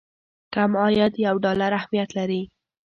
کم عاید یو ډالر اهميت لري.